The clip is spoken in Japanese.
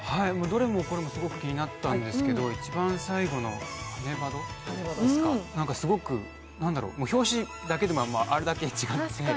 どれもこれもすごく気になったんですけど、一番最後の「はねバド！」、すごく、表紙だけでも、あれだけ違って。